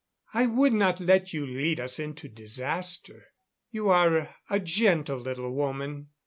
I would not let you lead us into disaster. You are a gentle little woman.